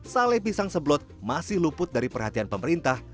sale pisang seblot masih luput dari perhatian pemerintah